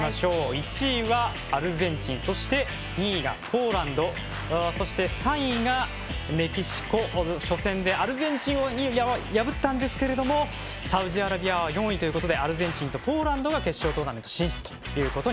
１位はアルゼンチンそして２位がポーランドそして、３位がメキシコ初戦でアルゼンチンを破ったんですけれどもサウジアラビアは４位ということでアルゼンチンとポーランドが決勝トーナメント進出